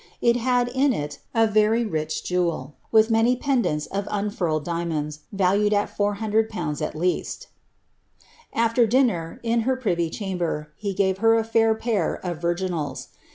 It had in it a Tery rich jewel, with many pendents of un/irld diamonds,' valued at 400/. at least After dinner, in her privy chamber, he gave her a fair pair of virginals.